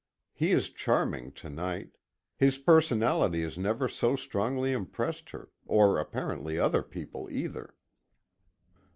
He is charming to night. His personality has never so strongly impressed her, or apparently other people either.